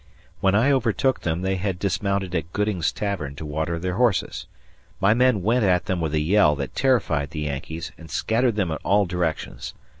When I overtook them they had dismounted at Gooding's Tavern to water their horses. My men went at them with a yell that terrified the Yankees and scattered them in all directions.